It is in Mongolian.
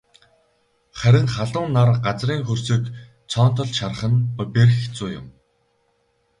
Харин халуун нар газрын хөрсийг цоонотол шарах нь бэрх хэцүү юм.